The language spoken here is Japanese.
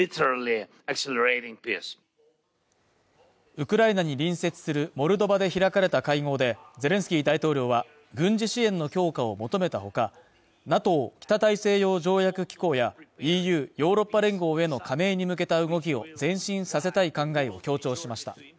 ウクライナに隣接するモルドバで開かれた会合で、ゼレンスキー大統領は軍事支援の強化を求めたほかＮＡＴＯ＝北大西洋条約機構やＥＵ＝ヨーロッパ連合への加盟に向けた動きを前進させたい考えを強調しました。